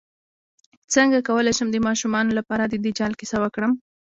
څنګه کولی شم د ماشومانو لپاره د دجال کیسه وکړم